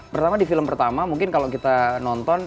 pertama di film pertama mungkin kalau kita nonton